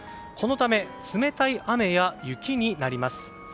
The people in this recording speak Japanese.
このため冷たい雨や雪になります。